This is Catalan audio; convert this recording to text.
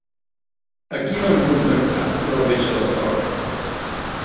A qui van contractar la reixa del cor?